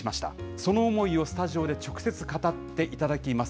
その思いをスタジオで直接、語っていただきます。